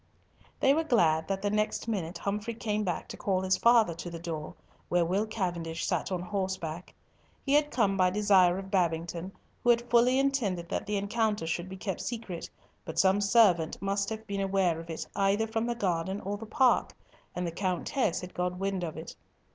They were glad that the next minute Humfrey came back to call his father to the door, where Will Cavendish sat on horseback. He had come by desire of Babington, who had fully intended that the encounter should be kept secret, but some servant must have been aware of it either from the garden or the park, and the Countess had got wind of it.